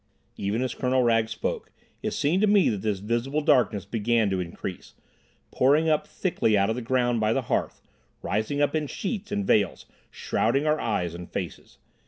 Even as Colonel Wragge spoke, it seemed to me that this visible darkness began to increase, pouring up thickly out of the ground by the hearth, rising up in sheets and veils, shrouding our eyes and faces.